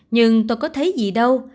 nhưng tôi có thấy gì đâu